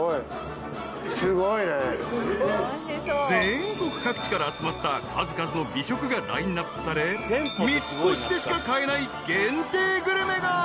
［全国各地から集まった数々の美食がラインアップされ三越でしか買えない］